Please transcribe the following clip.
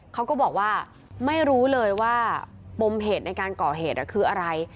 เขาก็บอกว่าไม่รู้เลยว่าปมเหตุในการก่อเหตุคืออะไร